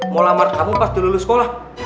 mau lamar kamu pas dilulus sekolah